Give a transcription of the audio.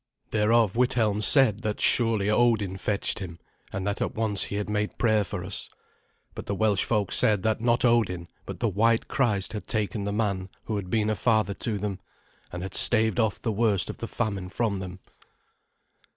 Thereof Withelm said that surely Odin fetched him, and that at once he had made prayer for us. But the Welsh folk said that not Odin but the White Christ had taken the man who had been a father to them, and had staved off the worst of the famine from them.